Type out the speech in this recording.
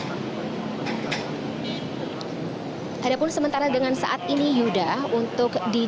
dan juga perlengkapan teknologi tercanggih yang dipersiapkan untuk menemani raja salman beserta dengan sanak warga terdekat